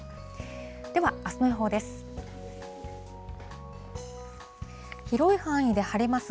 ではあすの予報です。